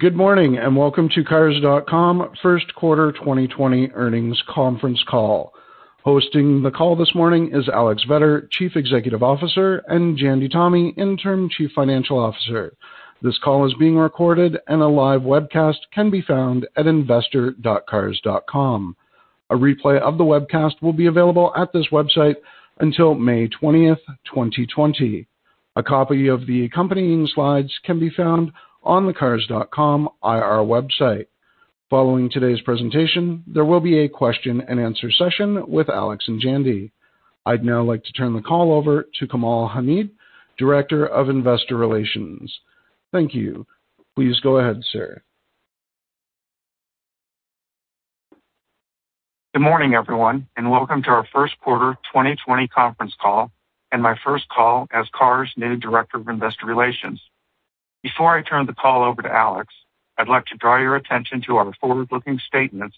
Good morning, welcome to Cars.com first quarter 2020 earnings conference call. Hosting the call this morning is Alex Vetter, Chief Executive Officer, and Jandy Tomy, Interim Chief Financial Officer. This call is being recorded and a live webcast can be found at investor.cars.com. A replay of the webcast will be available at this website until May 20th, 2020. A copy of the accompanying slides can be found on the Cars.com IR website. Following today's presentation, there will be a question and answer session with Alex and Jandy. I'd now like to turn the call over to Kamal Hamid, Director of Investor Relations. Thank you. Please go ahead, sir. Good morning, everyone. Welcome to our first quarter 2020 conference call and my first call as Cars' new Director of Investor Relations. Before I turn the call over to Alex, I'd like to draw your attention to our forward-looking statements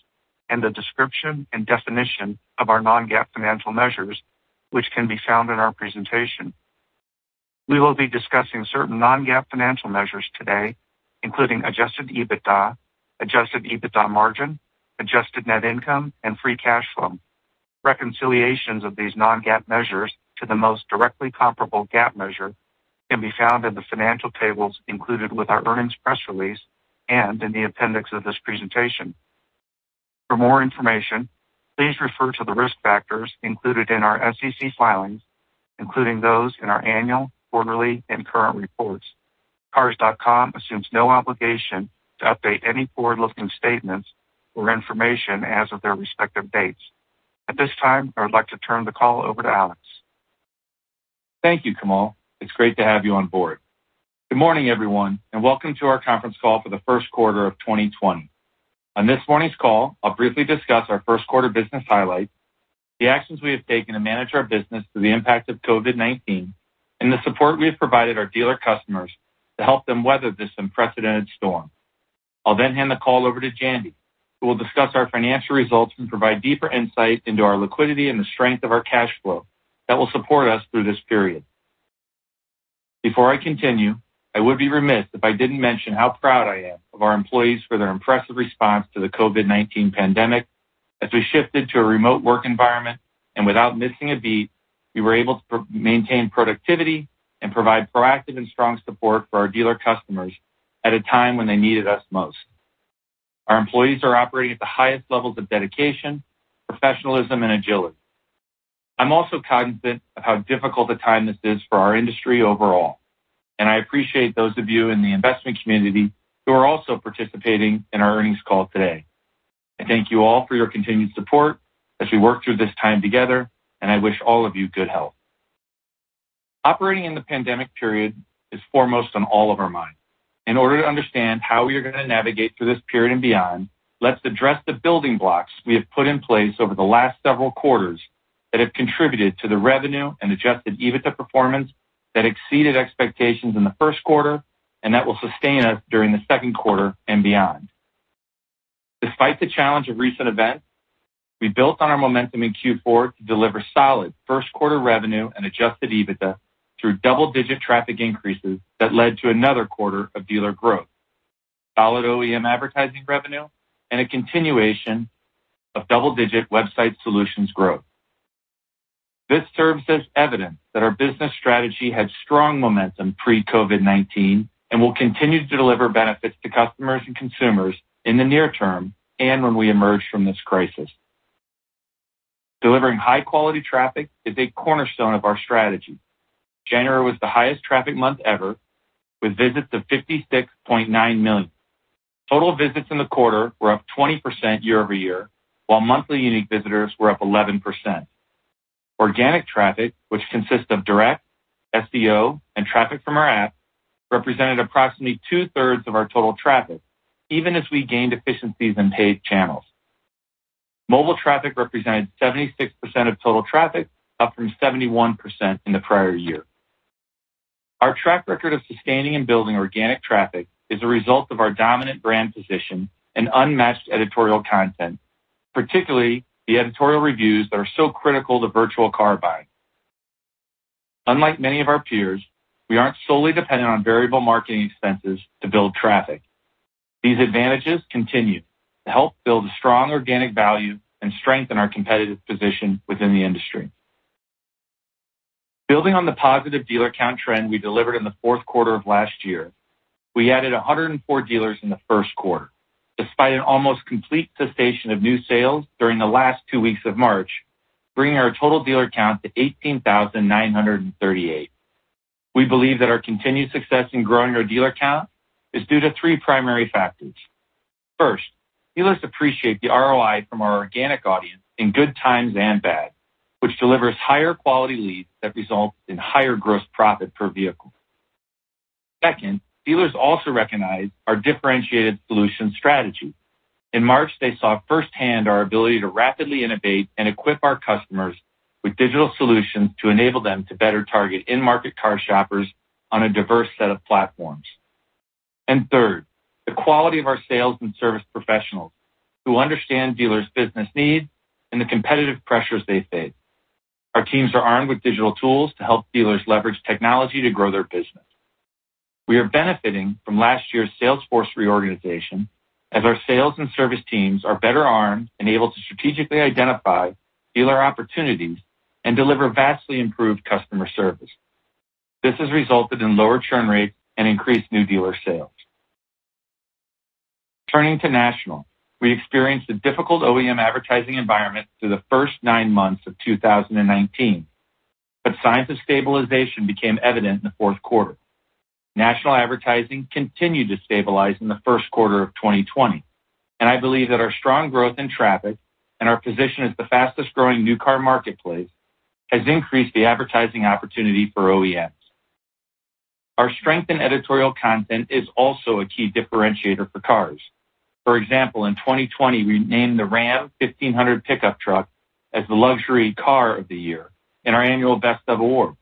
and the description and definition of our non-GAAP financial measures, which can be found in our presentation. We will be discussing certain non-GAAP financial measures today, including adjusted EBITDA, adjusted EBITDA margin, adjusted net income, and free cash flow. Reconciliations of these non-GAAP measures to the most directly comparable GAAP measure can be found in the financial tables included with our earnings press release and in the appendix of this presentation. For more information, please refer to the risk factors included in our SEC filings, including those in our annual, quarterly, and current reports. Cars.com assumes no obligation to update any forward-looking statements or information as of their respective dates. At this time, I would like to turn the call over to Alex. Thank you, Kamal. It's great to have you on board. Good morning, everyone, and welcome to our conference call for the first quarter of 2020. On this morning's call, I'll briefly discuss our first quarter business highlights, the actions we have taken to manage our business through the impact of COVID-19, and the support we have provided our dealer customers to help them weather this unprecedented storm. I'll hand the call over to Jandy, who will discuss our financial results and provide deeper insight into our liquidity and the strength of our cash flow that will support us through this period. Before I continue, I would be remiss if I didn't mention how proud I am of our employees for their impressive response to the COVID-19 pandemic as we shifted to a remote work environment. Without missing a beat, we were able to maintain productivity and provide proactive and strong support for our dealer customers at a time when they needed us most. Our employees are operating at the highest levels of dedication, professionalism, and agility. I'm also cognizant of how difficult a time this is for our industry overall, and I appreciate those of you in the investment community who are also participating in our earnings call today. I thank you all for your continued support as we work through this time together, and I wish all of you good health. Operating in the pandemic period is foremost on all of our minds. In order to understand how we are going to navigate through this period and beyond, let's address the building blocks we have put in place over the last several quarters that have contributed to the revenue and adjusted EBITDA performance that exceeded expectations in the first quarter, and that will sustain us during the second quarter and beyond. Despite the challenge of recent events, we built on our momentum in Q4 to deliver solid first quarter revenue and adjusted EBITDA through double-digit traffic increases that led to another quarter of dealer growth, solid OEM advertising revenue, and a continuation of double-digit website solutions growth. This serves as evidence that our business strategy had strong momentum pre-COVID-19 and will continue to deliver benefits to customers and consumers in the near term and when we emerge from this crisis. Delivering high-quality traffic is a cornerstone of our strategy. January was the highest traffic month ever, with visits of 56.9 million. Total visits in the quarter were up 20% year-over-year, while monthly unique visitors were up 11%. Organic traffic, which consists of direct, SEO, and traffic from our app, represented approximately 2/3 of our total traffic, even as we gained efficiencies in paid channels. Mobile traffic represented 76% of total traffic, up from 71% in the prior year. Our track record of sustaining and building organic traffic is a result of our dominant brand position and unmatched editorial content, particularly the editorial reviews that are so critical to virtual car buying. Unlike many of our peers, we aren't solely dependent on variable marketing expenses to build traffic. These advantages continue to help build a strong organic value and strengthen our competitive position within the industry. Building on the positive dealer count trend we delivered in the fourth quarter of last year, we added 104 dealers in the first quarter, despite an almost complete cessation of new sales during the last two weeks of March, bringing our total dealer count to 18,938. We believe that our continued success in growing our dealer count is due to three primary factors. First, dealers appreciate the ROI from our organic audience in good times and bad, which delivers higher quality leads that result in higher gross profit per vehicle. Second, dealers also recognize our differentiated solutions strategy. In March, they saw firsthand our ability to rapidly innovate and equip our customers with digital solutions to enable them to better target in-market car shoppers on a diverse set of platforms. Third, the quality of our sales and service professionals who understand dealers' business needs and the competitive pressures they face. Our teams are armed with digital tools to help dealers leverage technology to grow their business. We are benefiting from last year's sales force reorganization as our sales and service teams are better armed and able to strategically identify dealer opportunities and deliver vastly improved customer service. This has resulted in lower churn rates and increased new dealer sales. Turning to national, we experienced a difficult OEM advertising environment through the first nine months of 2019, signs of stabilization became evident in the fourth quarter. National advertising continued to stabilize in the first quarter of 2020, I believe that our strong growth in traffic and our position as the fastest-growing new car marketplace has increased the advertising opportunity for OEMs. Our strength in editorial content is also a key differentiator for Cars.com. For example, in 2020, we named the RAM 1500 pickup truck as the Luxury Car of the Year in our annual Best of Awards.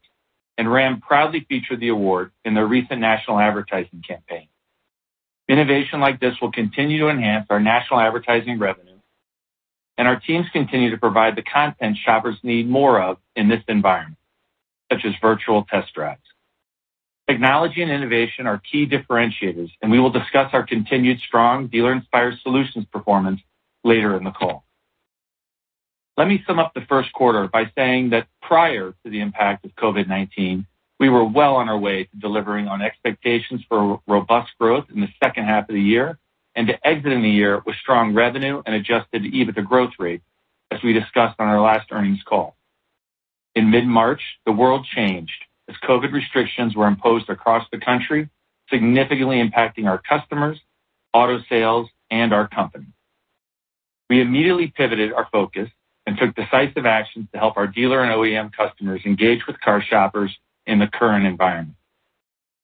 RAM proudly featured the award in their recent national advertising campaign. Innovation like this will continue to enhance our national advertising revenue. Our teams continue to provide the content shoppers need more of in this environment, such as virtual test drives. Technology and innovation are key differentiators. We will discuss our continued strong Dealer Inspire solutions performance later in the call. Let me sum up the first quarter by saying that prior to the impact of COVID-19, we were well on our way to delivering on expectations for robust growth in the second half of the year and to exiting the year with strong revenue and adjusted EBITDA growth rate, as we discussed on our last earnings call. In mid-March, the world changed as COVID restrictions were imposed across the country, significantly impacting our customers, auto sales, and our company. We immediately pivoted our focus and took decisive actions to help our dealer and OEM customers engage with car shoppers in the current environment.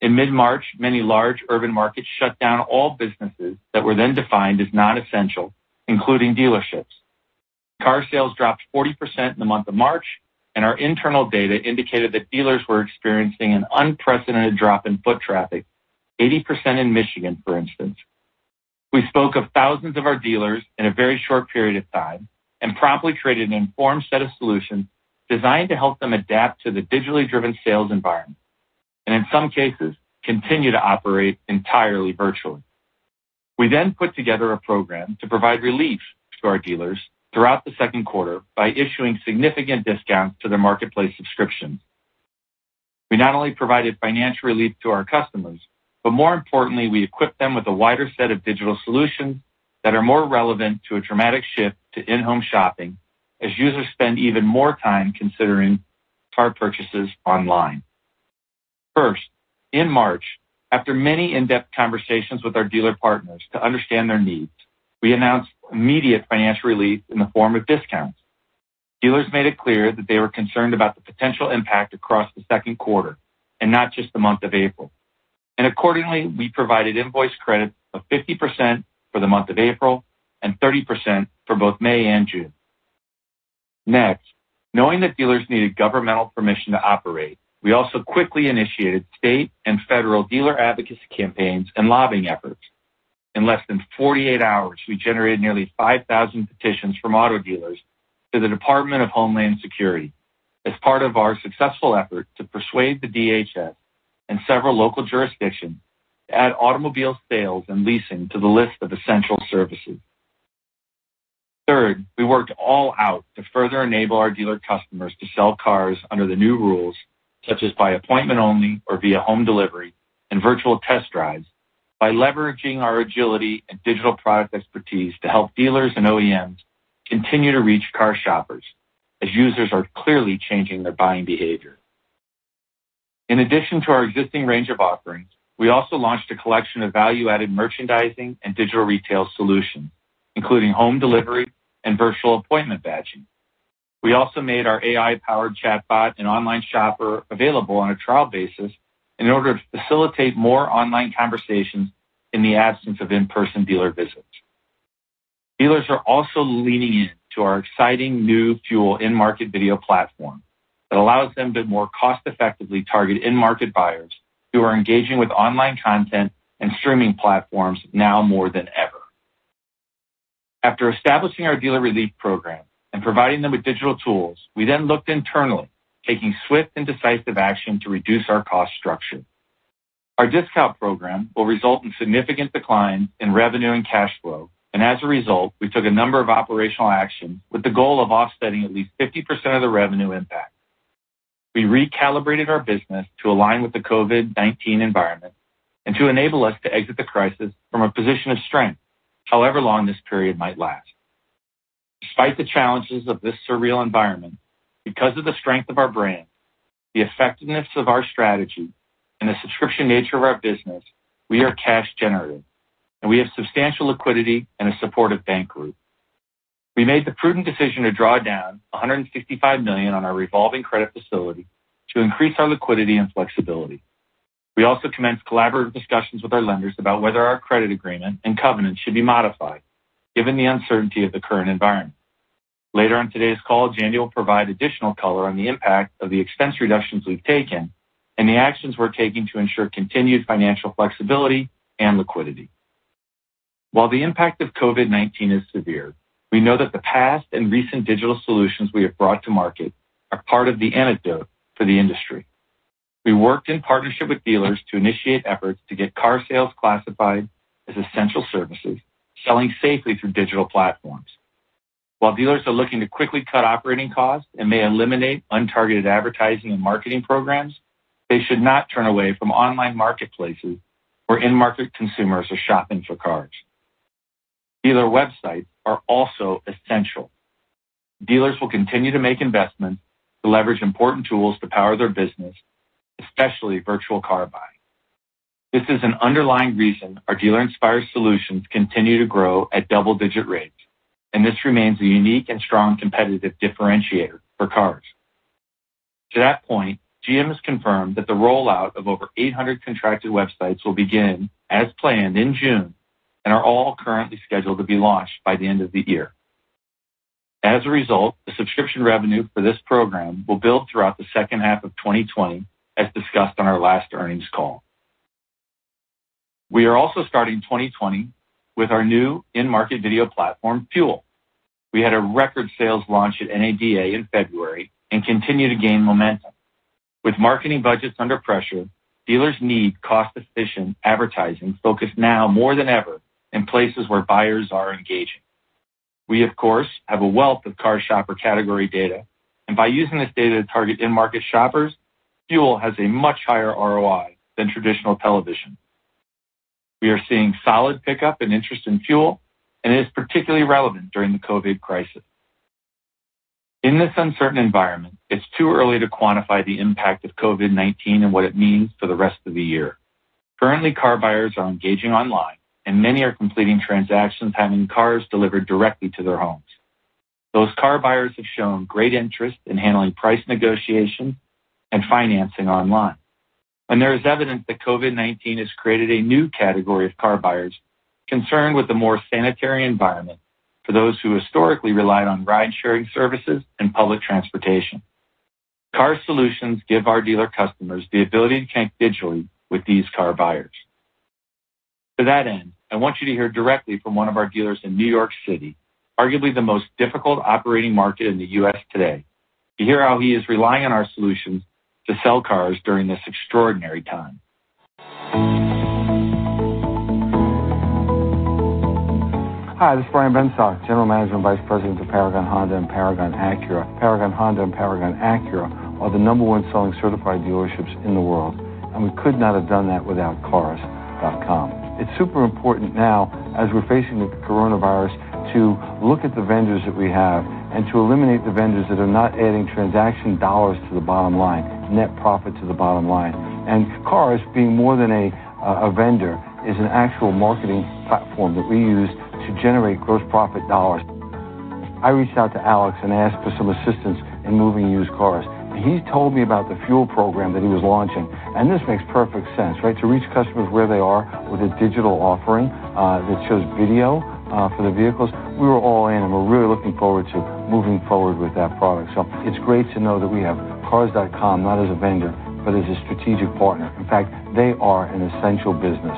In mid-March, many large urban markets shut down all businesses that were then defined as non-essential, including dealerships. Car sales dropped 40% in the month of March, and our internal data indicated that dealers were experiencing an unprecedented drop in foot traffic, 80% in Michigan, for instance. We spoke with thousands of our dealers in a very short period of time and promptly created an informed set of solutions designed to help them adapt to the digitally driven sales environment, and in some cases, continue to operate entirely virtually. We put together a program to provide relief to our dealers throughout the second quarter by issuing significant discounts to their marketplace subscriptions. We not only provided financial relief to our customers, but more importantly, we equipped them with a wider set of digital solutions that are more relevant to a dramatic shift to in-home shopping as users spend even more time considering car purchases online. First, in March, after many in-depth conversations with our dealer partners to understand their needs, we announced immediate financial relief in the form of discounts. Dealers made it clear that they were concerned about the potential impact across the second quarter and not just the month of April. Accordingly, we provided invoice credits of 50% for the month of April and 30% for both May and June. Next, knowing that dealers needed governmental permission to operate, we also quickly initiated state and federal dealer advocacy campaigns and lobbying efforts. In less than 48 hours, we generated nearly 5,000 petitions from auto dealers to the Department of Homeland Security as part of our successful effort to persuade the DHS and several local jurisdictions to add automobile sales and leasing to the list of essential services. Third, we worked all out to further enable our dealer customers to sell cars under the new rules, such as by appointment only or via home delivery and virtual test drives by leveraging our agility and digital product expertise to help dealers and OEMs continue to reach car shoppers as users are clearly changing their buying behavior. In addition to our existing range of offerings, we also launched a collection of value-added merchandising and digital retail solutions, including home delivery and virtual appointment batching. We also made our AI-powered chatbot and online shopper available on a trial basis in order to facilitate more online conversations in the absence of in-person dealer visits. Dealers are also leaning into our exciting new FUEL in-market video platform that allows them to more cost-effectively target in-market buyers who are engaging with online content and streaming platforms now more than ever. After establishing our dealer relief program and providing them with digital tools, we then looked internally, taking swift and decisive action to reduce our cost structure. Our discount program will result in significant decline in revenue and cash flow. As a result, we took a number of operational actions with the goal of offsetting at least 50% of the revenue impact. We recalibrated our business to align with the COVID-19 environment and to enable us to exit the crisis from a position of strength, however long this period might last. Despite the challenges of this surreal environment, because of the strength of our brand, the effectiveness of our strategy, and the subscription nature of our business, we are cash generative, and we have substantial liquidity and a supportive bank group. We made the prudent decision to draw down $165 million on our revolving credit facility to increase our liquidity and flexibility. We also commenced collaborative discussions with our lenders about whether our credit agreement and covenant should be modified given the uncertainty of the current environment. Later on today's call, Jandy, you will provide additional color on the impact of the expense reductions we've taken and the actions we're taking to ensure continued financial flexibility and liquidity. While the impact of COVID-19 is severe, we know that the past and recent digital solutions we have brought to market are part of the antidote for the industry. We worked in partnership with dealers to initiate efforts to get car sales classified as essential services, selling safely through digital platforms. While dealers are looking to quickly cut operating costs and may eliminate untargeted advertising and marketing programs, they should not turn away from online marketplaces where in-market consumers are shopping for cars. Dealer websites are also essential. Dealers will continue to make investments to leverage important tools to power their business, especially virtual car buying. This is an underlying reason our Dealer Inspire solutions continue to grow at double-digit rates, and this remains a unique and strong competitive differentiator for Cars. To that point, GM has confirmed that the rollout of over 800 contracted websites will begin as planned in June and are all currently scheduled to be launched by the end of the year. As a result, the subscription revenue for this program will build throughout the second half of 2020, as discussed on our last earnings call. We are also starting 2020 with our new in-market video platform, FUEL. We had a record sales launch at NADA in February and continue to gain momentum. With marketing budgets under pressure, dealers need cost-efficient advertising focused now more than ever in places where buyers are engaging. We, of course, have a wealth of car shopper category data, and by using this data to target in-market shoppers, FUEL has a much higher ROI than traditional television. We are seeing solid pickup and interest in FUEL, and it is particularly relevant during the COVID crisis. In this uncertain environment, it's too early to quantify the impact of COVID-19 and what it means for the rest of the year. Currently, car buyers are engaging online, and many are completing transactions having cars delivered directly to their homes. Those car buyers have shown great interest in handling price negotiation and financing online. There is evidence that COVID-19 has created a new category of car buyers concerned with a more sanitary environment for those who historically relied on ride-sharing services and public transportation. Cars solutions give our dealer customers the ability to connect digitally with these car buyers. To that end, I want you to hear directly from one of our dealers in New York City, arguably the most difficult operating market in the U.S. today, to hear how he is relying on our solutions to sell cars during this extraordinary time. Hi, this is Brian Benstock, General Manager and Vice President of Paragon Honda and Paragon Acura. Paragon Honda and Paragon Acura are the number one selling certified dealerships in the world, we could not have done that without Cars.com. It's super important now as we're facing the coronavirus to look at the vendors that we have and to eliminate the vendors that are not adding transaction dollars to the bottom line, net profit to the bottom line. Cars being more than a vendor is an actual marketing platform that we use to generate gross profit dollars. I reached out to Alex and asked for some assistance in moving used cars. He told me about the FUEL program that he was launching, this makes perfect sense, right? To reach customers where they are with a digital offering that shows video for the vehicles. We were all in, and we're really looking forward to moving forward with that product. It's great to know that we have Cars.com not as a vendor, but as a strategic partner. In fact, they are an essential business.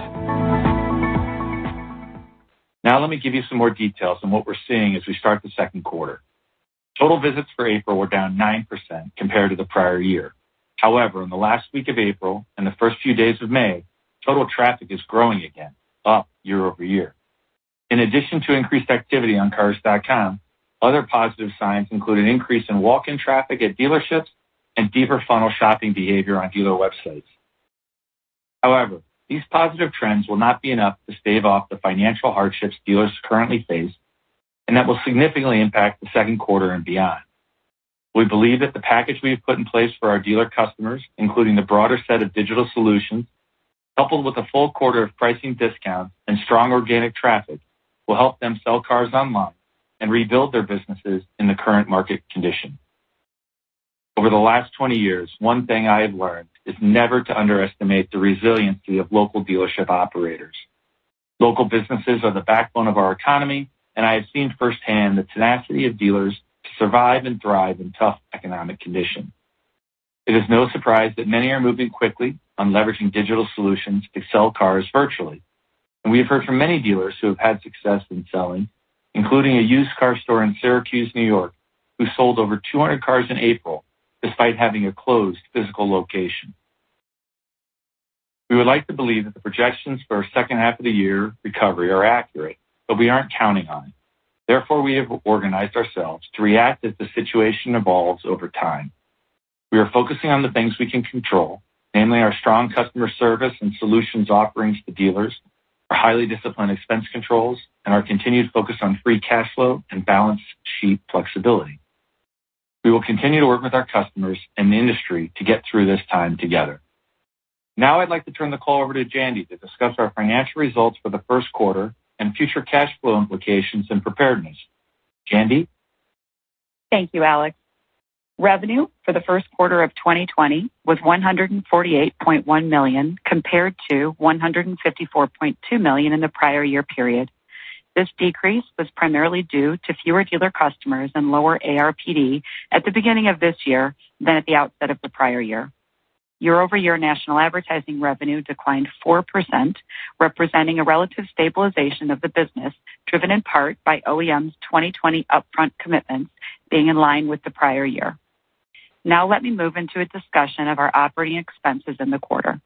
Now let me give you some more details on what we're seeing as we start the second quarter. Total visits for April were down 9% compared to the prior year. In the last week of April and the first few days of May, total traffic is growing again, up year-over-year. In addition to increased activity on Cars.com, other positive signs include an increase in walk-in traffic at dealerships and deeper funnel shopping behavior on dealer websites. These positive trends will not be enough to stave off the financial hardships dealers currently face, and that will significantly impact the second quarter and beyond. We believe that the package we have put in place for our dealer customers, including the broader set of digital solutions, coupled with a full quarter of pricing discounts and strong organic traffic, will help them sell cars online and rebuild their businesses in the current market condition. Over the last 20 years, one thing I have learned is never to underestimate the resiliency of local dealership operators. Local businesses are the backbone of our economy, and I have seen firsthand the tenacity of dealers to survive and thrive in tough economic conditions. It is no surprise that many are moving quickly on leveraging digital solutions to sell cars virtually. We have heard from many dealers who have had success in selling, including a used car store in Syracuse, New York, who sold over 200 cars in April despite having a closed physical location. We would like to believe that the projections for a second half of the year recovery are accurate, but we aren't counting on it. Therefore, we have organized ourselves to react as the situation evolves over time. We are focusing on the things we can control, namely our strong customer service and solutions offerings to dealers, our highly disciplined expense controls, and our continued focus on free cash flow and balance sheet flexibility. We will continue to work with our customers and the industry to get through this time together. Now I'd like to turn the call over to Jandy to discuss our financial results for the first quarter and future cash flow implications and preparedness. Jandy? Thank you, Alex. Revenue for the first quarter of 2020 was $148.1 million, compared to $154.2 million in the prior year period. This decrease was primarily due to fewer dealer customers and lower ARPD at the beginning of this year than at the outset of the prior year. Year-over-year national advertising revenue declined 4%, representing a relative stabilization of the business, driven in part by OEM's 2020 upfront commitments being in line with the prior year. Now let me move into a discussion of our operating expenses in the quarter.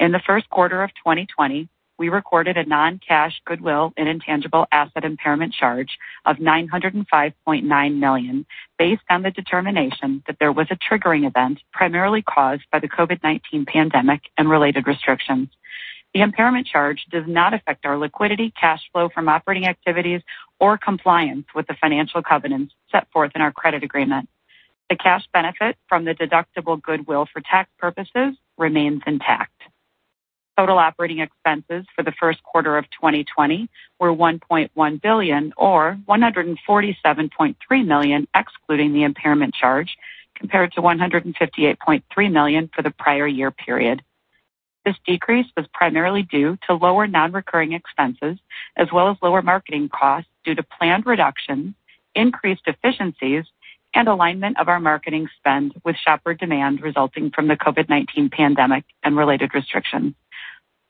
In the first quarter of 2020, we recorded a non-cash goodwill and intangible asset impairment charge of $905.9 million, based on the determination that there was a triggering event primarily caused by the COVID-19 pandemic and related restrictions. The impairment charge does not affect our liquidity, cash flow from operating activities, or compliance with the financial covenants set forth in our credit agreement. The cash benefit from the deductible goodwill for tax purposes remains intact. Total operating expenses for the first quarter of 2020 were $1.1 billion, or $147.3 million, excluding the impairment charge, compared to $158.3 million for the prior year period. This decrease was primarily due to lower non-recurring expenses as well as lower marketing costs due to planned reductions, increased efficiencies, and alignment of our marketing spend with shopper demand resulting from the COVID-19 pandemic and related restrictions.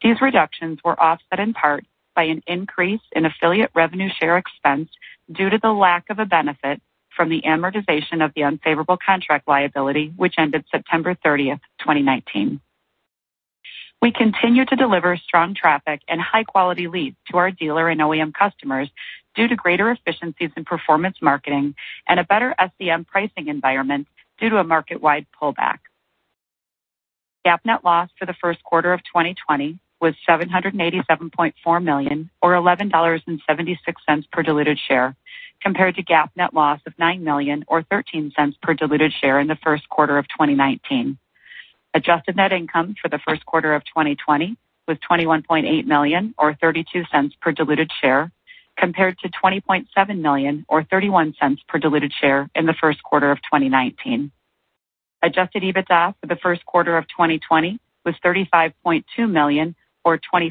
These reductions were offset in part by an increase in affiliate revenue share expense due to the lack of a benefit from the amortization of the unfavorable contract liability, which ended September 30th, 2019. We continue to deliver strong traffic and high-quality leads to our dealer and OEM customers due to greater efficiencies in performance marketing and a better SEM pricing environment due to a market-wide pullback. GAAP net loss for the first quarter of 2020 was $787.4 million, or $11.76 per diluted share, compared to GAAP net loss of $9 million, or $0.13 per diluted share in the first quarter of 2019. Adjusted net income for the first quarter of 2020 was $21.8 million, or $0.32 per diluted share, compared to $20.7 million or $0.31 per diluted share in the first quarter of 2019. Adjusted EBITDA for the first quarter of 2020 was $35.2 million or 24%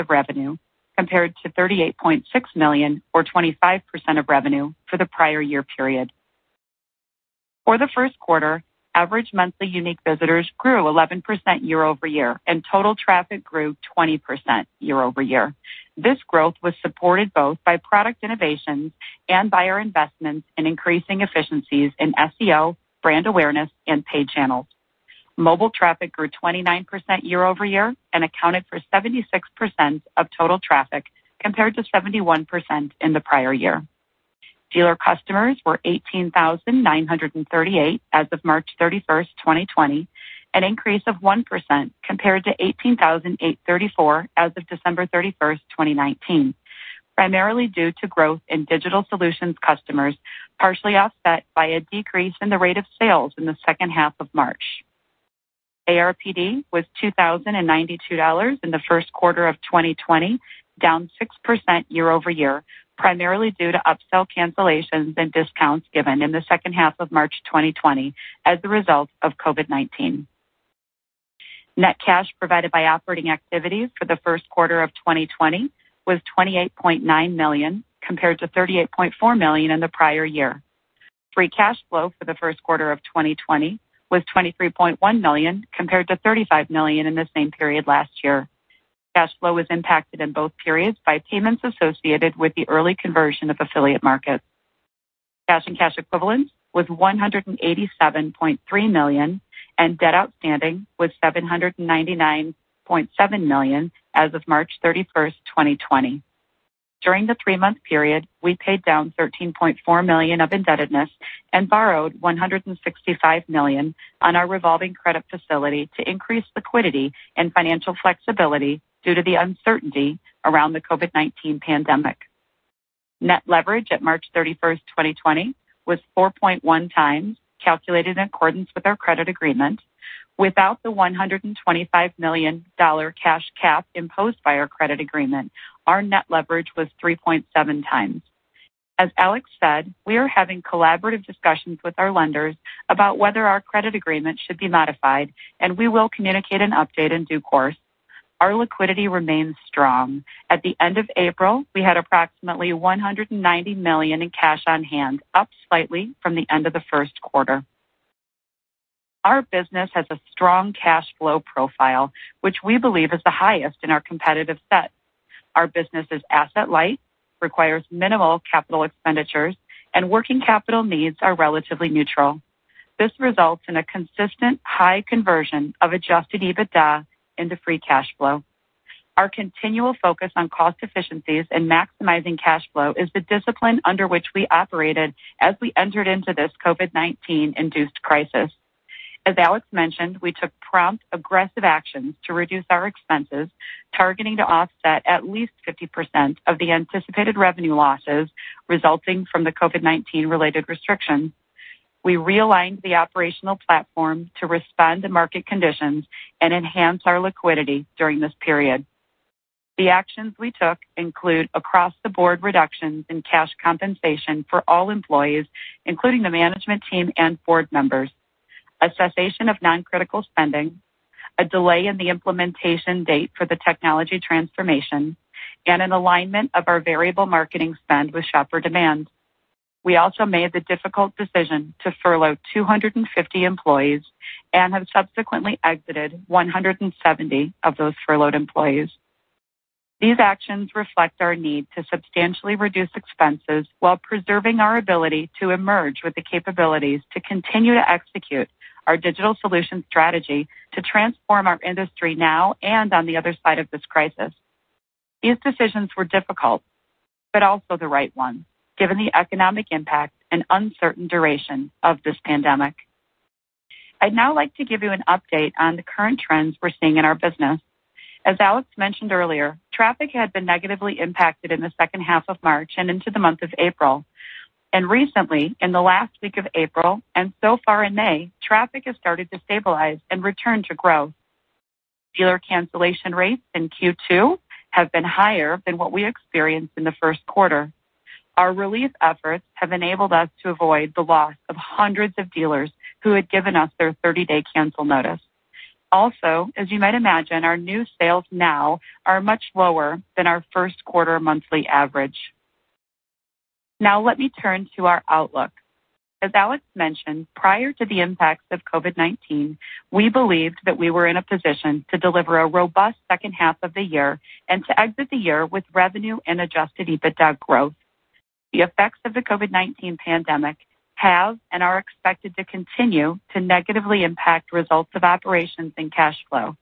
of revenue, compared to $38.6 million or 25% of revenue for the prior year period. For the first quarter, average monthly unique visitors grew 11% year-over-year, and total traffic grew 20% year-over-year. This growth was supported both by product innovations and by our investments in increasing efficiencies in SEO, brand awareness, and paid channels. Mobile traffic grew 29% year-over-year and accounted for 76% of total traffic, compared to 71% in the prior year. Dealer customers were 18,938 as of March 31st, 2020, an increase of 1% compared to 18,834 as of December 31st, 2019, primarily due to growth in digital solutions customers, partially offset by a decrease in the rate of sales in the second half of March. ARPD was $2,092 in the first quarter of 2020, down 6% year-over-year, primarily due to upsell cancellations and discounts given in the second half of March 2020 as a result of COVID-19. Net cash provided by operating activities for the first quarter of 2020 was $28.9 million, compared to $38.4 million in the prior year. Free cash flow for the first quarter of 2020 was $23.1 million, compared to $35 million in the same period last year. Cash flow was impacted in both periods by payments associated with the early conversion of affiliate markets. Cash and cash equivalents was $187.3 million, and debt outstanding was $799.7 million as of March 31st, 2020. During the three-month period, we paid down $13.4 million of indebtedness and borrowed $165 million on our revolving credit facility to increase liquidity and financial flexibility due to the uncertainty around the COVID-19 pandemic. Net leverage at March 31st, 2020, was 4.1x, calculated in accordance with our credit agreement. Without the $125 million cash cap imposed by our credit agreement, our net leverage was 3.7x. As Alex said, we are having collaborative discussions with our lenders about whether our credit agreement should be modified, and we will communicate an update in due course. Our liquidity remains strong. At the end of April, we had approximately $190 million in cash on hand, up slightly from the end of the first quarter. Our business has a strong cash flow profile, which we believe is the highest in our competitive set. Our business is asset light, requires minimal capital expenditures, and working capital needs are relatively neutral. This results in a consistent high conversion of adjusted EBITDA into free cash flow. Our continual focus on cost efficiencies and maximizing cash flow is the discipline under which we operated as we entered into this COVID-19-induced crisis. As Alex mentioned, we took prompt, aggressive actions to reduce our expenses, targeting to offset at least 50% of the anticipated revenue losses resulting from the COVID-19 related restrictions. We realigned the operational platform to respond to market conditions and enhance our liquidity during this period. The actions we took include across-the-board reductions in cash compensation for all employees, including the management team and board members, a cessation of non-critical spending, a delay in the implementation date for the technology transformation, and an alignment of our variable marketing spend with shopper demand. We also made the difficult decision to furlough 250 employees and have subsequently exited 170 of those furloughed employees. These actions reflect our need to substantially reduce expenses while preserving our ability to emerge with the capabilities to continue to execute our digital solution strategy to transform our industry now and on the other side of this crisis. These decisions were difficult, but also the right one, given the economic impact and uncertain duration of this pandemic. I'd now like to give you an update on the current trends we're seeing in our business. As Alex mentioned earlier, traffic had been negatively impacted in the second half of March and into the month of April. Recently, in the last week of April, and so far in May, traffic has started to stabilize and return to growth. Dealer cancellation rates in Q2 have been higher than what we experienced in the first quarter. Our relief efforts have enabled us to avoid the loss of hundreds of dealers who had given us their 30-day cancel notice. Also, as you might imagine, our new sales now are much lower than our first quarter monthly average. Now, let me turn to our outlook. As Alex mentioned, prior to the impacts of COVID-19, we believed that we were in a position to deliver a robust second half of the year and to exit the year with revenue and adjusted EBITDA growth. The effects of the COVID-19 pandemic have and are expected to continue to negatively impact results of operations and cash flow.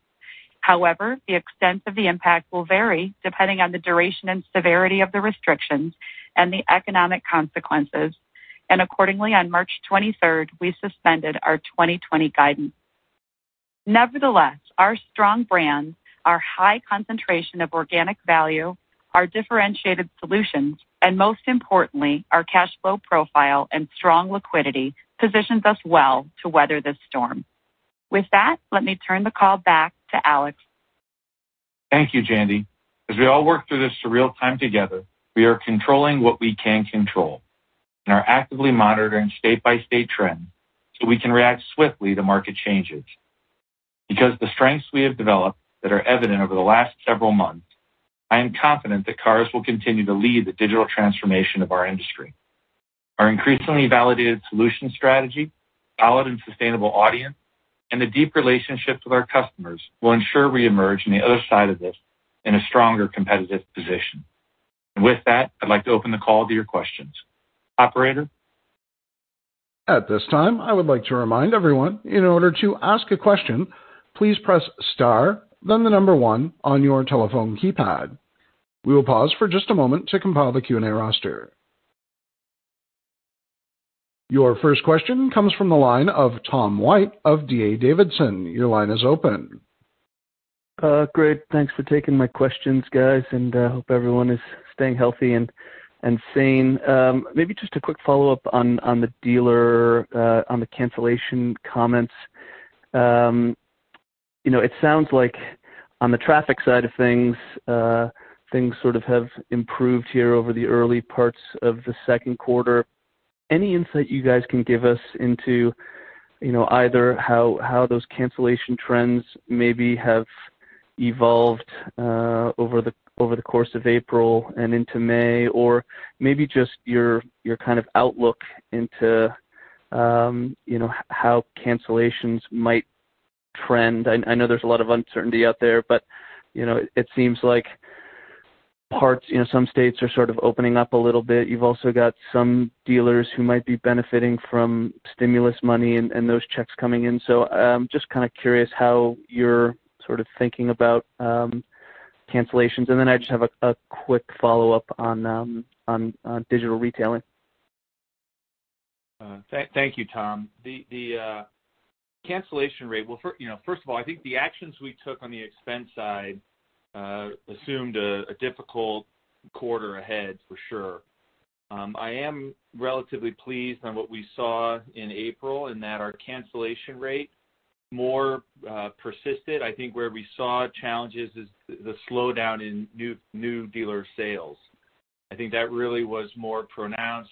However, the extent of the impact will vary depending on the duration and severity of the restrictions and the economic consequences. Accordingly, on March 23rd, we suspended our 2020 guidance. Nevertheless, our strong brands, our high concentration of organic value, our differentiated solutions, and most importantly, our cash flow profile and strong liquidity, positions us well to weather this storm. With that, let me turn the call back to Alex. Thank you, Jandy. As we all work through this surreal time together, we are controlling what we can control and are actively monitoring state-by-state trends so we can react swiftly to market changes. The strengths we have developed that are evident over the last several months, I am confident that Cars will continue to lead the digital transformation of our industry. Our increasingly validated solution strategy, solid and sustainable audience, and the deep relationships with our customers will ensure we emerge on the other side of this in a stronger competitive position. With that, I'd like to open the call to your questions. Operator? At this time, I would like to remind everyone, in order to ask a question, please press star, then the number one on your telephone keypad. We will pause for just a moment to compile the Q&A roster. Your first question comes from the line of Tom White of D.A. Davidson. Your line is open. Great. Thanks for taking my questions, guys, and hope everyone is staying healthy and sane. Maybe just a quick follow-up on the dealer, on the cancellation comments. It sounds like on the traffic side of things sort of have improved here over the early parts of the second quarter. Any insight you guys can give us into either how those cancellation trends maybe have evolved over the course of April and into May? Maybe just your kind of outlook into how cancellations might trend? I know there's a lot of uncertainty out there, it seems like some states are sort of opening up a little bit. You've also got some dealers who might be benefiting from stimulus money and those checks coming in. Just kind of curious how you're sort of thinking about cancellations? I just have a quick follow-up on digital retailing. Thank you, Tom. The cancellation rate, first of all, I think the actions we took on the expense side assumed a difficult quarter ahead for sure. I am relatively pleased on what we saw in April in that our cancellation rate more persisted. I think where we saw challenges is the slowdown in new dealer sales. I think that really was more pronounced.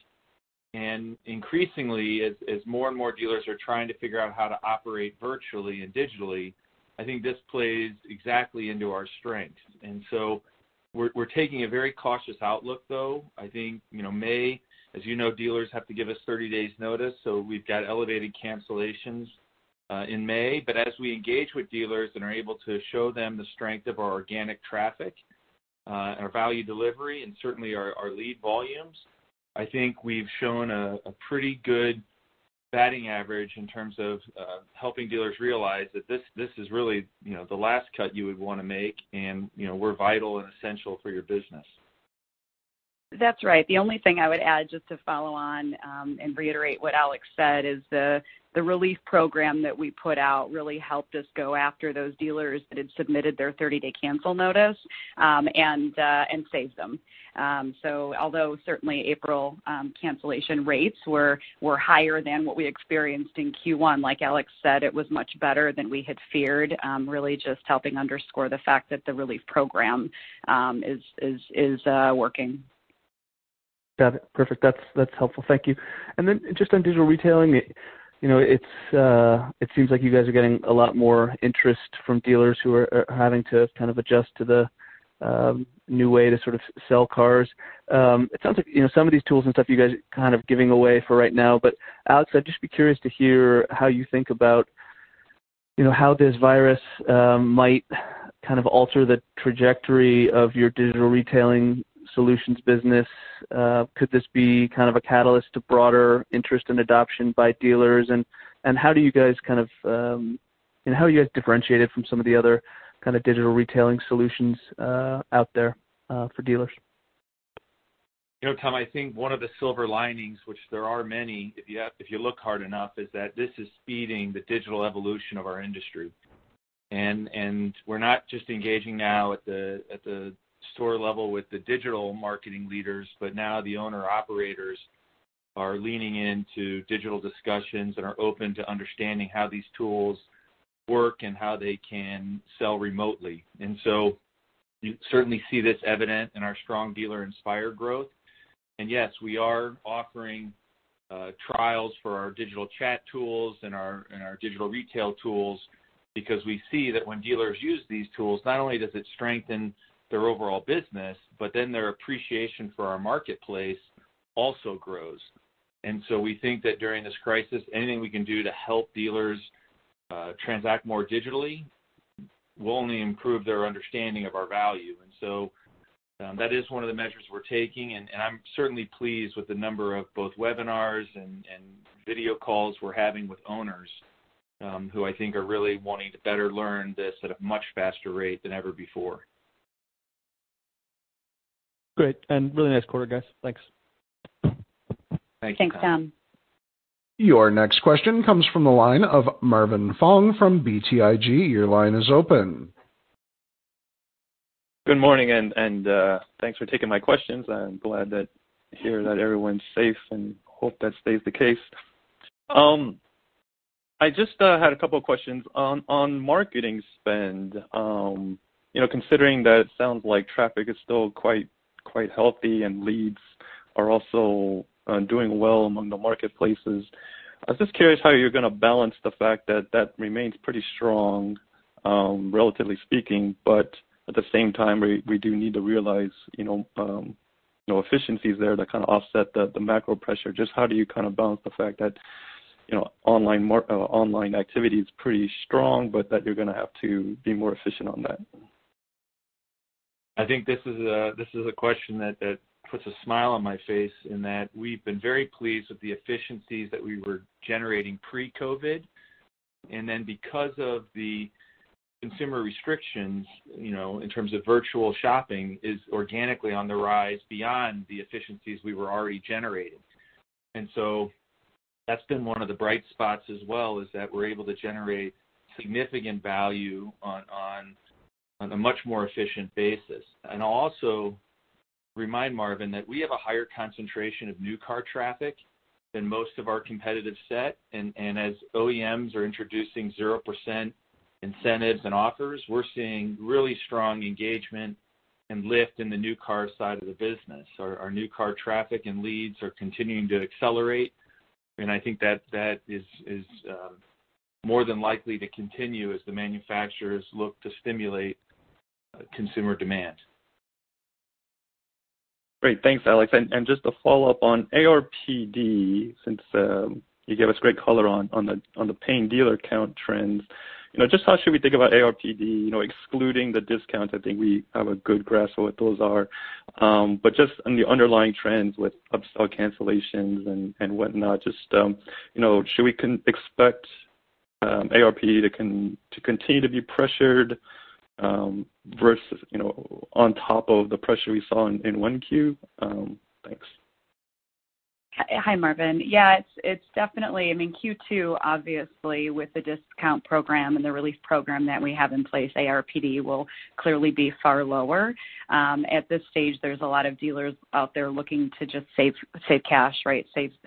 Increasingly, as more and more dealers are trying to figure out how to operate virtually and digitally, I think this plays exactly into our strengths. We're taking a very cautious outlook, though. As you know, dealers have to give us 30 days notice, so we've got elevated cancellations in May. As we engage with dealers and are able to show them the strength of our organic traffic, our value delivery, and certainly our lead volumes, I think we've shown a pretty good batting average in terms of helping dealers realize that this is really the last cut you would want to make, and we're vital and essential for your business. That's right. The only thing I would add, just to follow on and reiterate what Alex said, is the relief program that we put out really helped us go after those dealers that had submitted their 30-day cancel notice and saved them. Although certainly April cancellation rates were higher than what we experienced in Q1, like Alex said, it was much better than we had feared, really just helping underscore the fact that the relief program is working. Got it. Perfect. That's helpful. Thank you. Just on digital retailing, it seems like you guys are getting a lot more interest from dealers who are having to adjust to the new way to sell cars. It sounds like some of these tools and stuff you guys are giving away for right now. Alex, I'd just be curious to hear how you think about how this virus might alter the trajectory of your digital retailing solutions business? Could this be a catalyst to broader interest and adoption by dealers? How are you guys differentiated from some of the other digital retailing solutions out there for dealers? Tom, I think one of the silver linings, which there are many if you look hard enough, is that this is speeding the digital evolution of our industry. We're not just engaging now at the store level with the digital marketing leaders, but now the owner/operators are leaning into digital discussions and are open to understanding how these tools work and how they can sell remotely. You certainly see this evident in our strong Dealer Inspire growth. Yes, we are offering trials for our digital chat tools and our digital retail tools because we see that when dealers use these tools, not only does it strengthen their overall business, but then their appreciation for our marketplace also grows. We think that during this crisis, anything we can do to help dealers transact more digitally will only improve their understanding of our value. That is one of the measures we're taking, and I'm certainly pleased with the number of both webinars and video calls we're having with owners, who I think are really wanting to better learn this at a much faster rate than ever before. Great, really nice quarter, guys. Thanks. Thank you, Tom. Thanks, Tom. Your next question comes from the line of Marvin Fong from BTIG. Your line is open. Good morning, and thanks for taking my questions. I'm glad to hear that everyone's safe, and hope that stays the case. I just had a couple questions on marketing spend. Considering that it sounds like traffic is still quite healthy and leads are also doing well among the marketplaces, I was just curious how you're going to balance the fact that that remains pretty strong, relatively speaking, but at the same time, we do need to realize efficiencies there that kind of offset the macro pressure. Just how do you balance the fact that online activity is pretty strong but that you're going to have to be more efficient on that? I think this is a question that puts a smile on my face in that we've been very pleased with the efficiencies that we were generating pre-COVID. Because of the consumer restrictions, in terms of virtual shopping is organically on the rise beyond the efficiencies we were already generating. That's been one of the bright spots as well, is that we're able to generate significant value on a much more efficient basis. I'll also remind Marvin that we have a higher concentration of new car traffic than most of our competitive set. As OEMs are introducing 0% incentives and offers, we're seeing really strong engagement and lift in the new car side of the business. Our new car traffic and leads are continuing to accelerate, and I think that is more than likely to continue as the manufacturers look to stimulate consumer demand. Great. Thanks, Alex. Just to follow up on ARPD, since you gave us great color on the paying dealer count trends. Just how should we think about ARPD, excluding the discount? I think we have a good grasp of what those are. Just on the underlying trends with upsell cancellations and whatnot, just should we expect ARPD to continue to be pressured versus on top of the pressure we saw in 1Q? Thanks. Hi, Marvin. Yeah, it's definitely, Q2 obviously with the discount program and the relief program that we have in place, ARPD will clearly be far lower. At this stage, there's a lot of dealers out there looking to just save cash.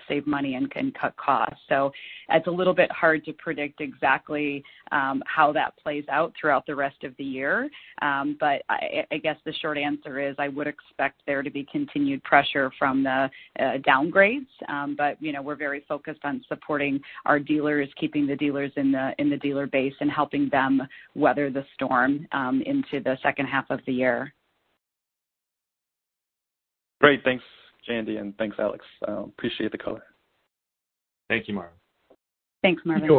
Save money and cut costs. It's a little bit hard to predict exactly how that plays out throughout the rest of the year. I guess the short answer is I would expect there to be continued pressure from the downgrades. We're very focused on supporting our dealers, keeping the dealers in the dealer base and helping them weather the storm into the second half of the year. Great. Thanks, Jandy, and thanks, Alex. Appreciate the color. Thank you, Marvin. Thanks, Marvin.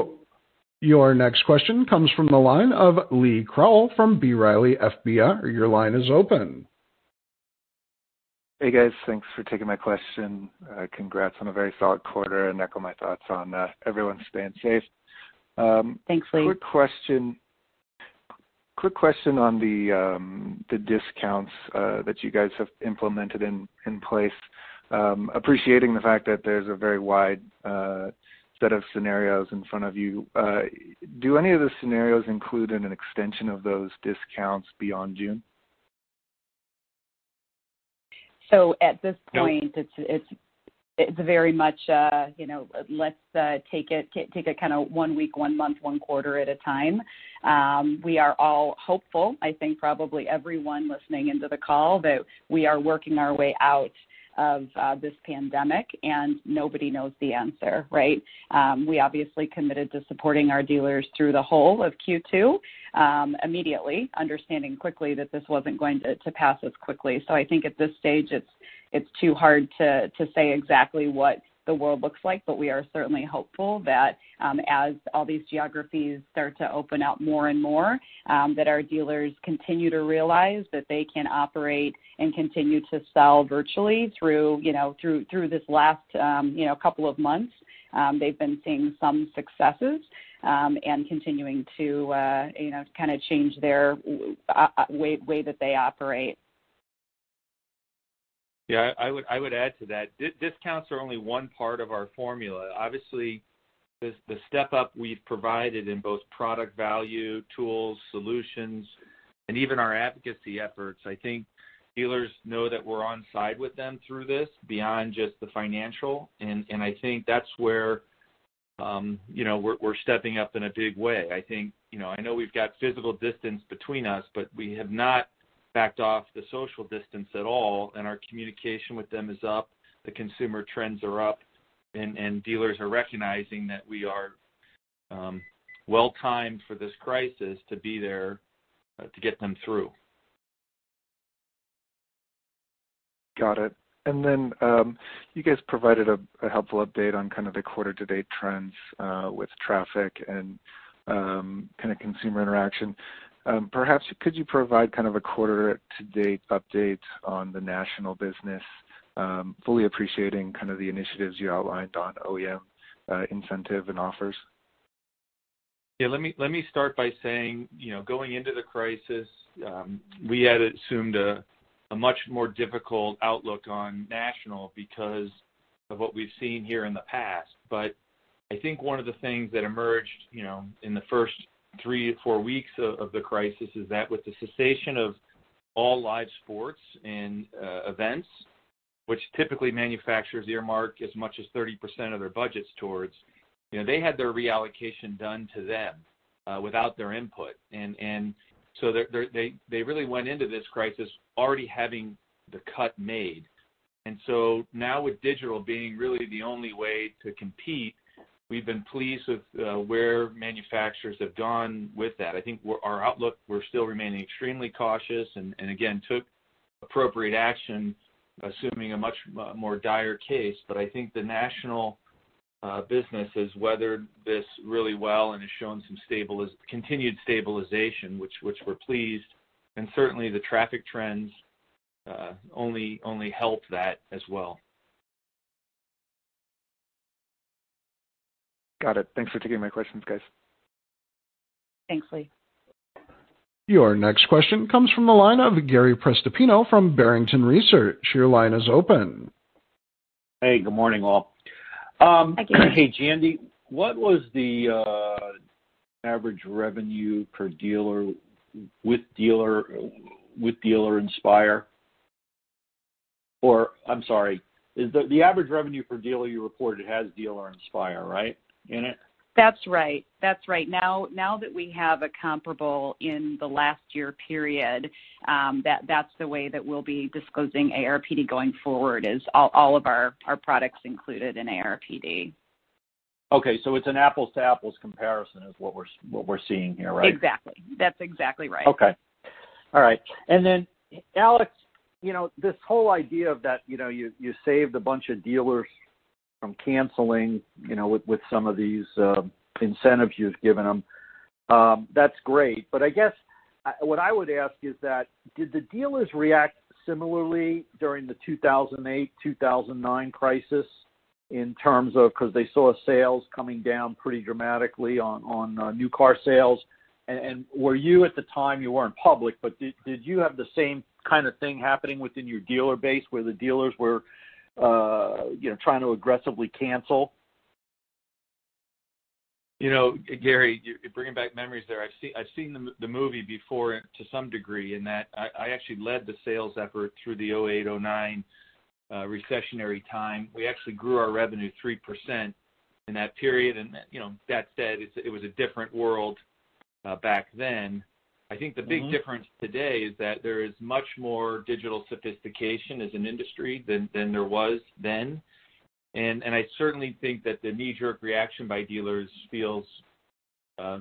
Your next question comes from the line of Lee Krowl from B. Riley FBR. Your line is open. Hey, guys. Thanks for taking my question. Congrats on a very solid quarter. Echo my thoughts on everyone staying safe. Thanks, Lee. Quick question on the discounts that you guys have implemented in place. Appreciating the fact that there's a very wide set of scenarios in front of you, do any of the scenarios include an extension of those discounts beyond June? At this point, it's very much let's take it kind of one week, one month, one quarter at a time. We are all hopeful, I think probably everyone listening into the call, that we are working our way out of this pandemic, and nobody knows the answer, right? We obviously committed to supporting our dealers through the whole of Q2 immediately, understanding quickly that this wasn't going to pass as quickly. I think at this stage, it's too hard to say exactly what the world looks like. We are certainly hopeful that as all these geographies start to open up more and more, that our dealers continue to realize that they can operate and continue to sell virtually through this last couple of months. They've been seeing some successes, and continuing to kind of change their way that they operate. Yeah, I would add to that. Discounts are only one part of our formula. Obviously, the step-up we've provided in both product value, tools, solutions, and even our advocacy efforts, I think dealers know that we're on side with them through this beyond just the financial. I think that's where we're stepping up in a big way. I know we've got physical distance between us, but we have not backed off the social distance at all, and our communication with them is up, the consumer trends are up, and dealers are recognizing that we are well timed for this crisis to be there to get them through. Got it. You guys provided a helpful update on kind of the quarter to date trends with traffic and kind of consumer interaction. Perhaps could you provide kind of a quarter to date update on the national business, fully appreciating kind of the initiatives you outlined on OEM incentive and offers? Yeah, let me start by saying, going into the crisis, we had assumed a much more difficult outlook on national because of what we've seen here in the past. I think one of the things that emerged in the first three to four weeks of the crisis is that with the cessation of all live sports and events, which typically manufacturers earmark as much as 30% of their budgets towards, they had their reallocation done to them without their input. They really went into this crisis already having the cut made. Now with digital being really the only way to compete, we've been pleased with where manufacturers have gone with that. I think our outlook, we're still remaining extremely cautious, and again, took appropriate action assuming a much more dire case. I think the national business has weathered this really well and has shown some continued stabilization, which we're pleased, and certainly the traffic trends only help that as well. Got it. Thanks for taking my questions, guys. Thanks, Lee. Your next question comes from the line of Gary Prestopino from Barrington Research. Your line is open. Hey, good morning, all. Hi, Gary. Hey, Jandy. What was the average revenue per dealer with Dealer Inspire? Or, I'm sorry. The average revenue per dealer you reported has Dealer Inspire, right, in it? That's right. Now that we have a comparable in the last year period, that's the way that we'll be disclosing ARPD going forward, is all of our products included in ARPD. Okay, it's an apples to apples comparison is what we're seeing here, right? Exactly. That's exactly right. Okay. All right. Then Alex, this whole idea of that you saved a bunch of dealers from canceling with some of these incentives you've given them, that's great. I guess what I would ask is that did the dealers react similarly during the 2008, 2009 crisis in terms of because they saw sales coming down pretty dramatically on new car sales? Were you at the time, you weren't public, but did you have the same kind of thing happening within your dealer base where the dealers were trying to aggressively cancel? Gary, you are bringing back memories there. I have seen the movie before to some degree in that I actually led the sales effort through the 2008, 2009 recessionary time. We actually grew our revenue 3% in that period. That said, it was a different world back then. I think the big difference today is that there is much more digital sophistication as an industry than there was then. I certainly think that the knee-jerk reaction by dealers feels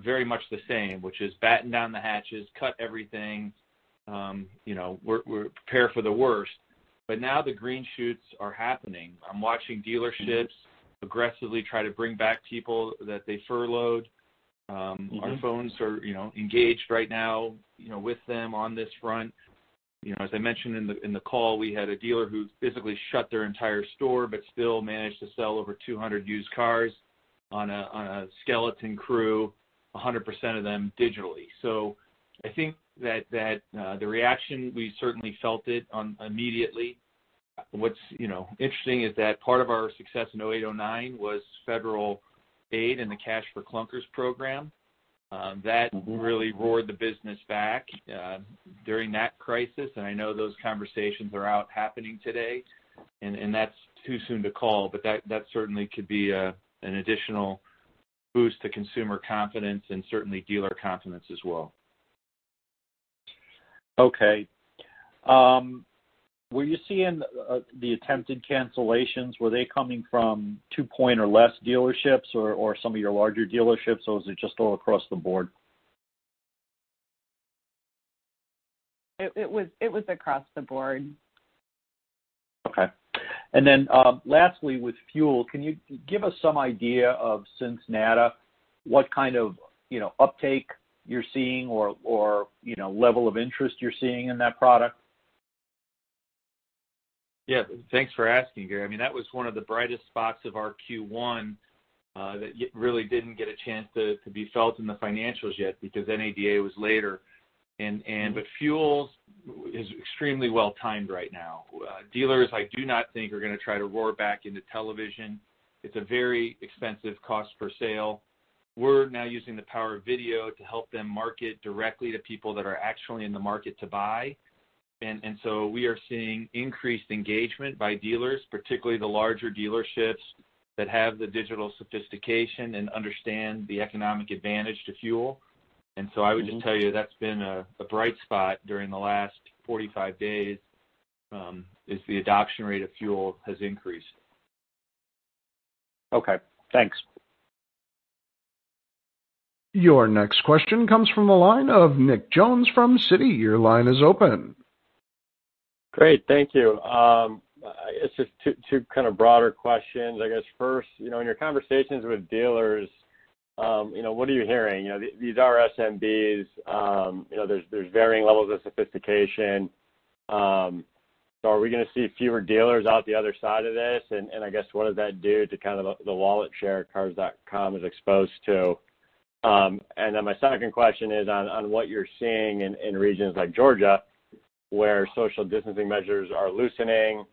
very much the same, which is batten down the hatches, cut everything, prepare for the worst. Now the green shoots are happening. I am watching dealerships aggressively try to bring back people that they furloughed. Our phones are engaged right now with them on this front. As I mentioned in the call, we had a dealer who physically shut their entire store but still managed to sell over 200 used cars on a skeleton crew, 100% of them digitally. I think that the reaction, we certainly felt it immediately. What's interesting is that part of our success in 2008, 2009 was federal aid and the Cash for Clunkers program. That really roared the business back during that crisis, and I know those conversations are out happening today, and that's too soon to call. That certainly could be an additional boost to consumer confidence and certainly dealer confidence as well. Okay. Were you seeing the attempted cancellations, were they coming from two point or less dealerships or some of your larger dealerships, or was it just all across the board? It was across the board. Okay. Lastly, with FUEL, can you give us some idea of, since NADA, what kind of uptake you're seeing or level of interest you're seeing in that product? Thanks for asking, Gary. That was one of the brightest spots of our Q1 that really didn't get a chance to be felt in the financials yet because NADA was later. FUEL is extremely well-timed right now. Dealers, I do not think are going to try to roar back into television. It's a very expensive cost per sale. We're now using the power of video to help them market directly to people that are actually in the market to buy. We are seeing increased engagement by dealers, particularly the larger dealerships that have the digital sophistication and understand the economic advantage to FUEL. I would just tell you that's been a bright spot during the last 45 days, is the adoption rate of FUEL has increased. Okay, thanks. Your next question comes from the line of Nick Jones from Citi. Your line is open. Great. Thank you. It's just two kind of broader questions. I guess first, in your conversations with dealers, what are you hearing? These are SMBs. There's varying levels of sophistication. Are we going to see fewer dealers out the other side of this? I guess what does that do to kind of the wallet share Cars.com is exposed to? Then my second question is on what you're seeing in regions like Georgia, where social distancing measures are loosening.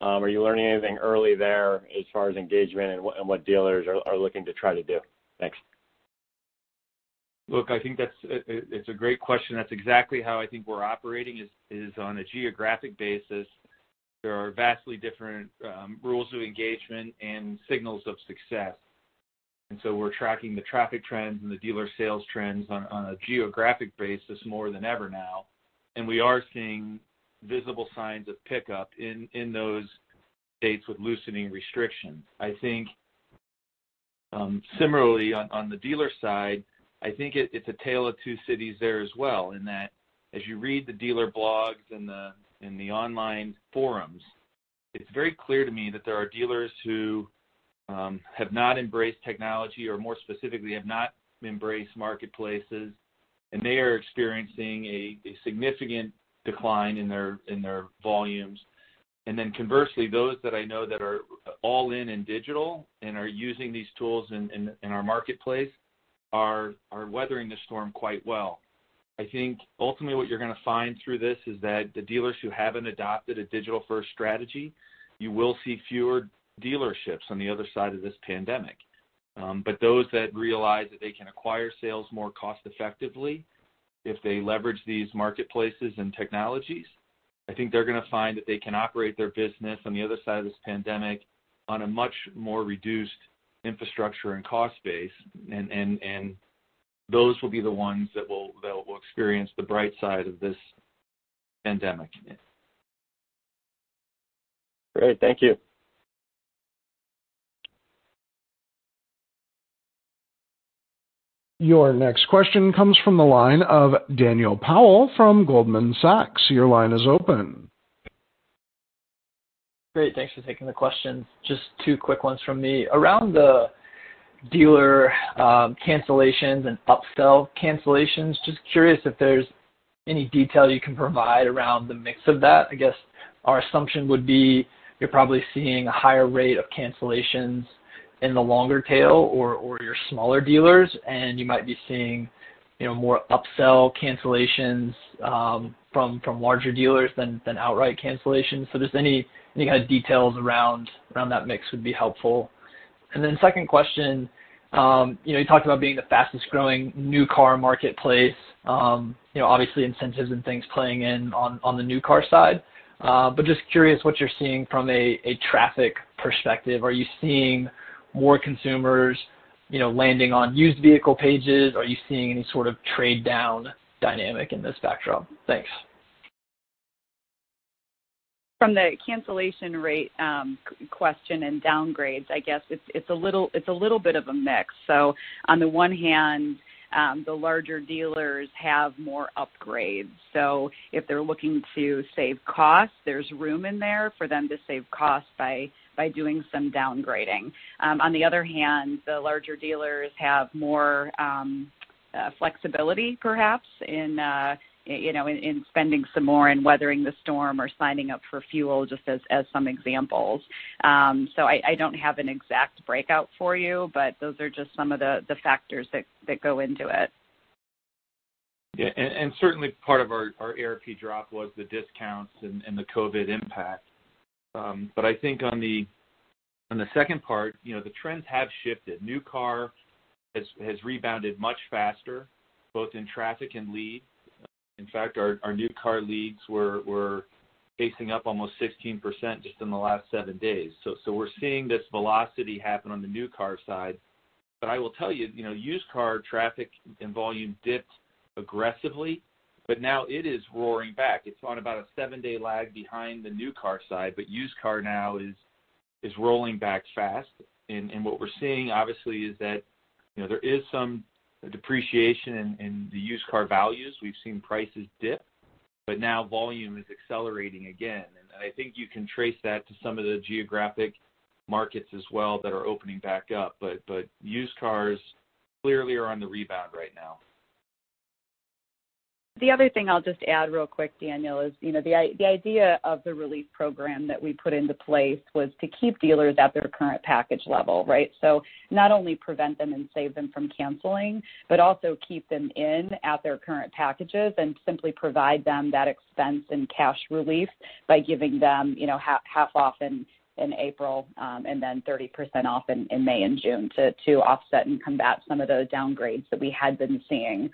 Are you learning anything early there as far as engagement and what dealers are looking to try to do? Thanks. Look, I think it's a great question. That's exactly how I think we're operating is on a geographic basis. There are vastly different rules of engagement and signals of success. We're tracking the traffic trends and the dealer sales trends on a geographic basis more than ever now. We are seeing visible signs of pickup in those states with loosening restrictions. I think similarly on the dealer side, I think it's a tale of two cities there as well, in that as you read the dealer blogs and the online forums, it's very clear to me that there are dealers who have not embraced technology or more specifically, have not embraced marketplaces, and they are experiencing a significant decline in their volumes. Conversely, those that I know that are all in in digital and are using these tools in our marketplace are weathering the storm quite well. I think ultimately what you're going to find through this is that the dealers who haven't adopted a digital-first strategy, you will see fewer dealerships on the other side of this pandemic. Those that realize that they can acquire sales more cost effectively if they leverage these marketplaces and technologies, I think they're going to find that they can operate their business on the other side of this pandemic on a much more reduced infrastructure and cost base. Those will be the ones that will experience the bright side of this pandemic. Great. Thank you. Your next question comes from the line of Daniel Powell from Goldman Sachs. Your line is open. Great. Thanks for taking the question. Just two quick ones from me. Around the dealer cancellations and upsell cancellations, just curious if there's any detail you can provide around the mix of that? I guess our assumption would be you're probably seeing a higher rate of cancellations in the longer tail or your smaller dealers, and you might be seeing more upsell cancellations from larger dealers than outright cancellations. Just any kind of details around that mix would be helpful. Second question. You talked about being the fastest growing new car marketplace. Obviously incentives and things playing in on the new car side. Just curious what you're seeing from a traffic perspective? Are you seeing more consumers landing on used vehicle pages? Are you seeing any sort of trade down dynamic in this backdrop? Thanks. From the cancellation rate question and downgrades, I guess it's a little bit of a mix. On the one hand, the larger dealers have more upgrades. If they're looking to save costs, there's room in there for them to save costs by doing some downgrading. On the other hand, the larger dealers have more flexibility, perhaps, in spending some more in weathering the storm or signing up for FUEL, just as some examples. I don't have an exact breakout for you, but those are just some of the factors that go into it. Yeah. Certainly part of our ARP drop was the discounts and the COVID impact. I think on the second part, the trends have shifted. New car has rebounded much faster, both in traffic and leads. In fact, our new car leads were pacing up almost 16% just in the last seven days. We're seeing this velocity happen on the new car side. I will tell you, used car traffic and volume dipped aggressively, but now it is roaring back. It's on about a seven-day lag behind the new car side, used car now is rolling back fast. What we're seeing, obviously, is that there is some depreciation in the used car values. We've seen prices dip, now volume is accelerating again. I think you can trace that to some of the geographic markets as well that are opening back up. Used cars clearly are on the rebound right now. The other thing I'll just add real quick, Daniel, is the idea of the relief program that we put into place was to keep dealers at their current package level, right? Not only prevent them and save them from canceling, but also keep them in at their current packages and simply provide them that expense and cash relief by giving them half off in April and then 30% off in May and June to offset and combat some of those downgrades that we had been seeing.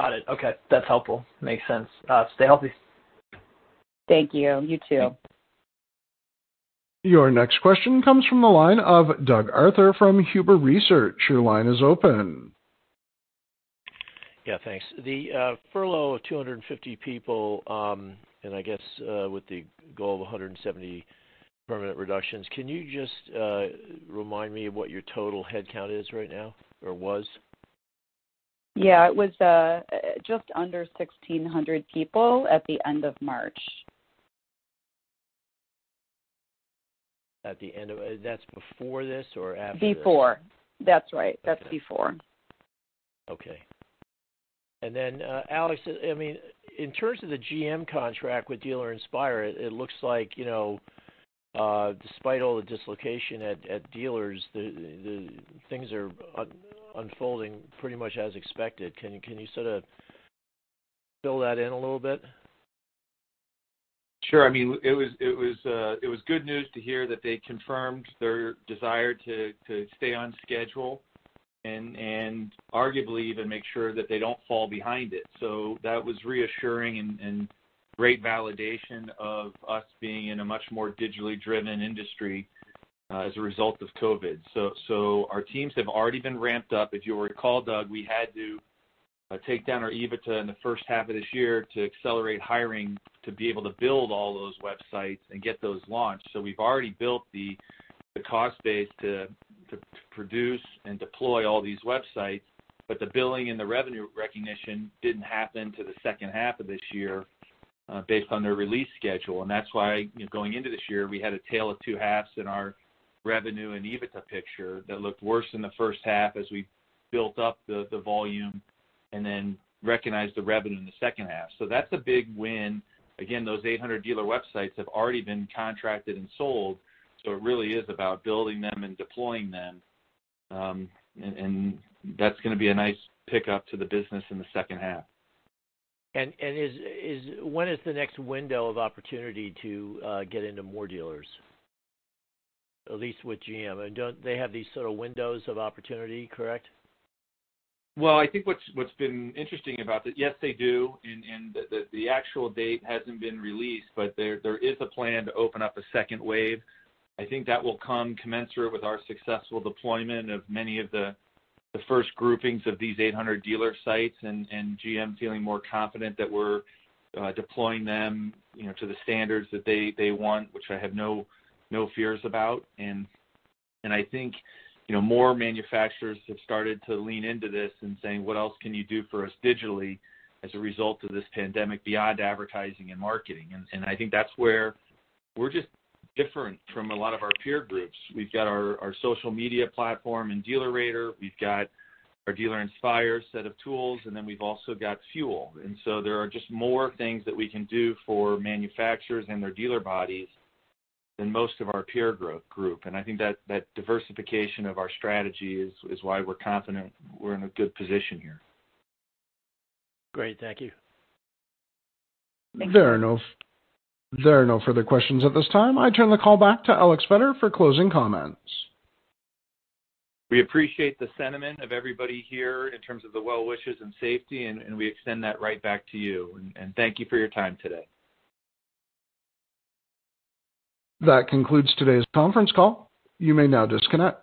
Got it. Okay. That's helpful. Makes sense. Stay healthy. Thank you. You too. Your next question comes from the line of Doug Arthur from Huber Research. Your line is open. Yeah, thanks. The furlough of 250 people, and I guess with the goal of 170 permanent reductions, can you just remind me of what your total headcount is right now, or was? Yeah, it was just under 1,600 people at the end of March. That's before this or after this? Before. That's right. Okay. That's before. Okay. Alex, in terms of the GM contract with Dealer Inspire, it looks like despite all the dislocation at dealers, things are unfolding pretty much as expected. Can you sort of fill that in a little bit? Sure. It was good news to hear that they confirmed their desire to stay on schedule and arguably even make sure that they don't fall behind it. That was reassuring and great validation of us being in a much more digitally driven industry as a result of COVID. Our teams have already been ramped up. If you'll recall, Doug, we had to take down our EBITDA in the first half of this year to accelerate hiring to be able to build all those websites and get those launched. We've already built the cost base to produce and deploy all these websites, but the billing and the revenue recognition didn't happen till the second half of this year based on their release schedule. That's why, going into this year, we had a tale of two halves in our revenue and EBITDA picture that looked worse in the first half as we built up the volume and then recognized the revenue in the second half. That's a big win. Again, those 800 dealer websites have already been contracted and sold, so it really is about building them and deploying them. That's going to be a nice pickup to the business in the second half. When is the next window of opportunity to get into more dealers, at least with GM? Don't they have these sort of windows of opportunity, correct? Well, I think what's been interesting about this, yes, they do. The actual date hasn't been released, but there is a plan to open up a second wave. I think that will come commensurate with our successful deployment of many of the first groupings of these 800 dealer sites and GM feeling more confident that we're deploying them to the standards that they want, which I have no fears about. I think more manufacturers have started to lean into this and saying, "What else can you do for us digitally as a result of this pandemic beyond advertising and marketing?" I think that's where we're just different from a lot of our peer groups. We've got our social media platform in DealerRater, we've got our Dealer Inspire set of tools, and then we've also got FUEL. There are just more things that we can do for manufacturers and their dealer bodies than most of our peer group. I think that diversification of our strategy is why we're confident we're in a good position here. Great. Thank you. Thanks. There are no further questions at this time. I turn the call back to Alex Vetter for closing comments. We appreciate the sentiment of everybody here in terms of the well wishes and safety, we extend that right back to you. Thank you for your time today. That concludes today's conference call. You may now disconnect.